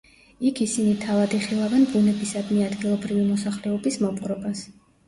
იქ ისინი თავად იხილავენ ბუნებისადმი ადგილობრივი მოსახლეობის მოპყრობას.